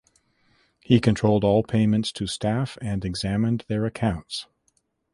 He controlled all payments to staff and examined their accounts.